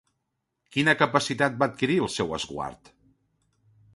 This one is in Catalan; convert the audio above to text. Quina capacitat va adquirir el seu esguard?